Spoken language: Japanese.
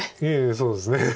そうですね。